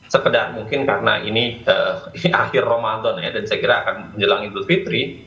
sekedar mungkin karena ini akhir ramadan ya dan saya kira akan menjelang idul fitri